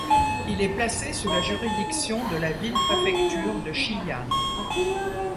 Il est placé sous la juridiction de la ville-préfecture de Shiyan.